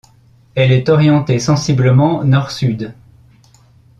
Elle est orientée sensiblement nord-sud.